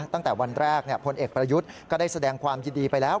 ตั้งแต่วันแรกพลเอกประยุทธ์ก็ได้แสดงความยินดีไปแล้ว